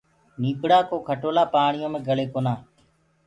نيٚڀڙآ ڪو کٽولآ پآڻيو مي گݪي ڪونآ